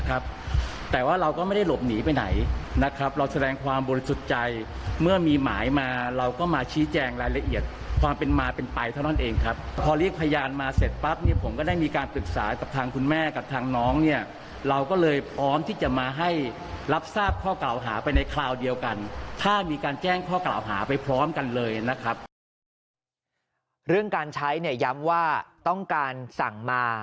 เรื่องการใช้ย้ำว่าต้องการสั่งมา